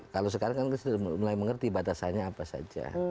kalau sekarang kan sudah mulai mengerti batasannya apa saja